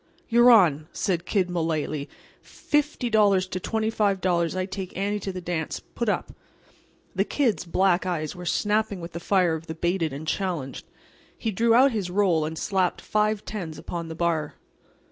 "You're on," said Kid Mullaly. "Fifty dollars to $25 I take Annie to the dance. Put up." The Kid's black eyes were snapping with the fire of the baited and challenged. He drew out his "roll" and slapped five tens upon the bar.